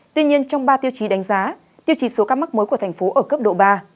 tuy nhiên trong ba tiêu chí đánh giá tiêu chí số ca mắc mới của tp hcm ở cấp độ ba